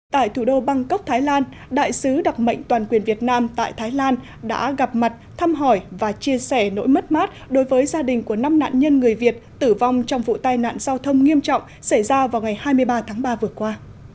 tại thủ đô bangkok thái lan đại sứ đặc mệnh toàn quyền việt nam tại thái lan đã gặp mặt thăm hỏi và chia sẻ nỗi mất mát đối với gia đình của năm nạn nhân người việt tử vong trong vụ tai nạn giao thông nghiêm trọng xảy ra vào ngày hai mươi ba tháng ba vừa qua